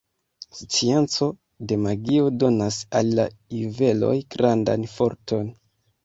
Scienco de magio donas al la juveloj grandan forton.